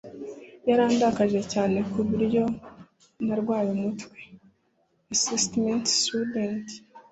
Yarandakaje cyane ku buryo narwaye umutwe. (eastasiastudent)